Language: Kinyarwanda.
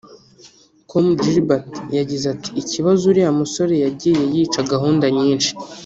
com Gilbert yagize ati”Ikibazo uriya musore yagiye yica gahunda nyinshi